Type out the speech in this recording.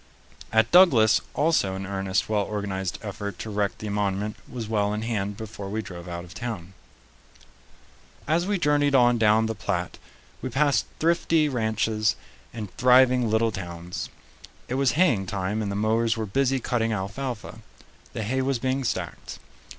At Douglas also an earnest, well organized effort to erect the monument was well in hand before we drove out of town. As we journeyed on down the Platte, we passed thrifty ranches and thriving little towns. It was haying time, and the mowers were busy cutting alfalfa. The hay was being stacked.